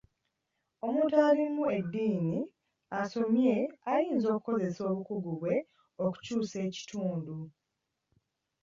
Omuntu alimu edddiini asomye ayinza okukozesa obukugu bwe okukyusa ekitundu.